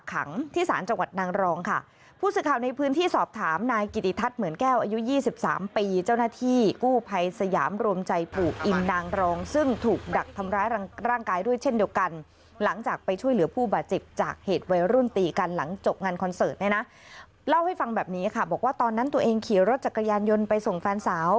ขังที่ศาลจังหวัดนางรองค่ะผู้สื่อข่าวในพื้นที่สอบถามนายกิติทัศน์เหมือนแก้วอายุยี่สิบสามปีเจ้าหน้าที่กู้ภัยสยามรวมใจปู่อินนางรองซึ่งถูกดักทำร้ายร่างกายด้วยเช่นเดียวกันหลังจากไปช่วยเหลือผู้บาดเจ็บจากเหตุวัยรุ่นตีกันหลังจบงานคอนเสิร์ตเนี่ยนะเล่าให้ฟังแบบนี้ค่ะบอกว่าตอนนั้นตัวเองขี่รถจักรยานยนต์ไปส่งแฟนสาว